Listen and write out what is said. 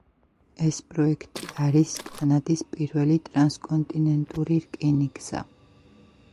ეს პროექტი არის კანადის პირველი ტრანსკონტინენტური რკინიგზა.